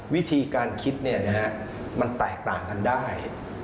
วิธีการคิดเนี่ยนะครับมันแตกต่างกันได้